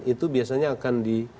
itu biasanya akan